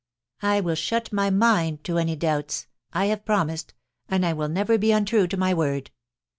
I will shut my mind to any doubts — I have promised, and I will never be imtrue to my word.